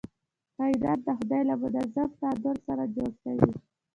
کائنات د خدای له منظم تعادل سره جوړ شوي.